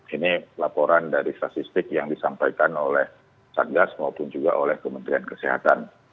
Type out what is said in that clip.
ini laporan dari statistik yang disampaikan oleh satgas maupun juga oleh kementerian kesehatan